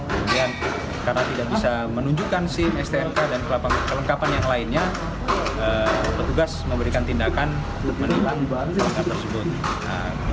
kemudian karena tidak bisa menunjukkan sim stnk dan kelengkapan yang lainnya petugas memberikan tindakan menilang barang tersebut